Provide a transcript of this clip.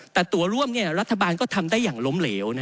แต่ตัวร่วมรัฐบาลก็ทำได้อย่างล้มเหลว